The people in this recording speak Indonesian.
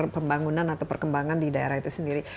pembangunan atau perkembangan di daerah itu sendiri